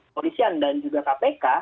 polisian dan juga kpk